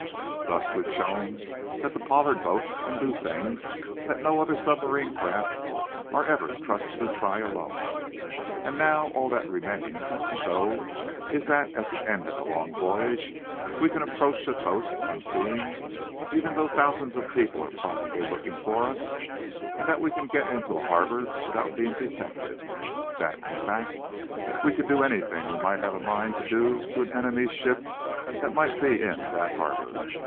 Thus we've shown that the Pollard boat can do things that no other submarine craft are ever trusted to try alone. And now, all that remains to show is that, at the end of a long voyage, we can approach a coast, unseen, even though thousands of people are probably looking for us, and that we can get into a harbor without being detected; that, in fact, we could do anything we might have a mind to do to an enemy's ships that might be in that harbor.